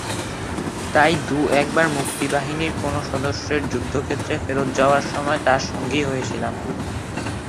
তাই দু-একবার মুক্তিবাহিনীর কোনো সদস্যের যুদ্ধক্ষেত্রে ফেরত যাওয়ার সময় তাঁর সঙ্গী হয়েছিলাম।